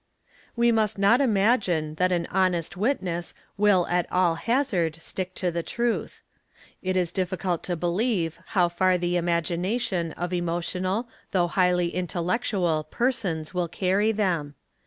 We must not imagine that an honest witness will at all hazard stick to the truth. It is difficult to believe how far the imagination of emo — tional, though highly intellectual, persons will carry them.